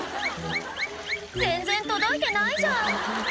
全然届いてないじゃん